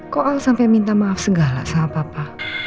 kok sampai minta maaf segala sama papa